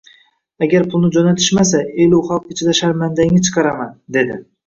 Agar pulni jo`natishmasa elu xalq ichida sharmandangni chiqaraman, dedi